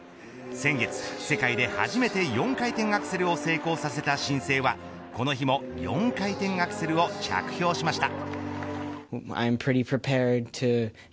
先月世界で初めて４回転アクセルを成功させた新星はこの日も４回転アクセルを着氷しました。